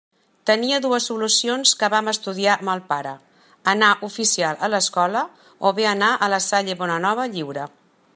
Tenia dues solucions que vam estudiar amb el pare: anar oficial a l'Escola o bé anar a la Salle Bonanova lliure.